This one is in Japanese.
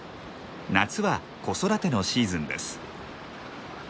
夏は子育てのシーズンです。